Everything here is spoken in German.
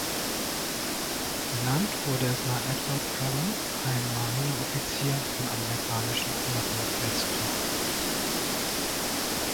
Benannt wurde es nach Edward Preble, einem Marineoffizier im Amerikanischen Unabhängigkeitskrieg.